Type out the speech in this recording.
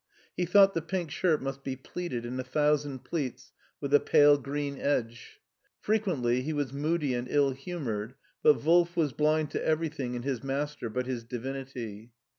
He thought the pink shirt must be pleated in a thousand pleats with a pale green edge. Frequently he was moody and ill humored, but Wolf was blind to everything in his master but his divinity.